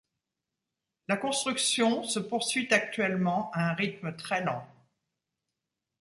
La construction se poursuit actuellement à un rythme très lent.